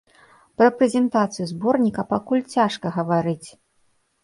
Пра прэзентацыю зборніка пакуль цяжка гаварыць.